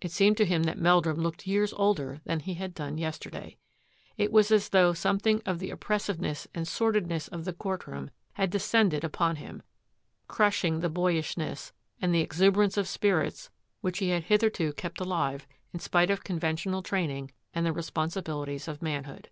It seemed to him that Meldrum looked years older than he had done yesterday. It was as though something of the oppressiveness and sordidness of the courtroom had descended upon him, crushing the boyishness and the exu berance of spirits which he had hitherto kept alive in spite of conventional training and the responsi bilities of manhood.